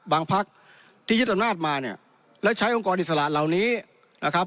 พักที่ยึดอำนาจมาเนี่ยแล้วใช้องค์กรอิสระเหล่านี้นะครับ